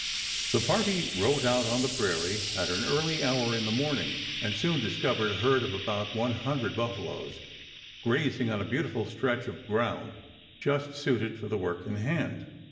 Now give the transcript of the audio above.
The party rode out on the prairie at an early hour in the morning, and soon discovered a herd of about one hundred buffaloes grazing on a beautiful stretch of ground just suited for the work in hand.